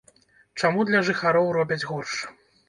Чаму для жыхароў робяць горш?